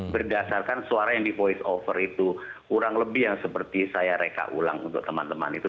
berdasarkan suara yang di voice over itu kurang lebih yang seperti saya reka ulang untuk teman teman itu